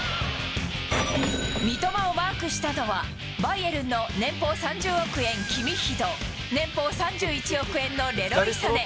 三笘をマークしたのは、バイエルンの、年俸３０億円、キミッヒと、年俸３１億円のレロイ・さね。